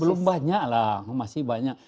belum banyak lah masih banyak